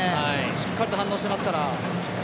しっかりと反応していますから。